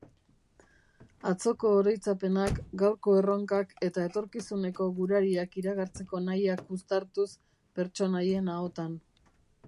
Atzoko oroitzapenak, gaurko erronkak eta etorkizuneko gurariak iragartzeko nahiak uztartuz pertsonaien ahotan.